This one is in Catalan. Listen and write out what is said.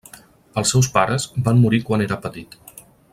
Els seus pares van morir quan era petit.